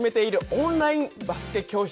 オンラインバスケ教室。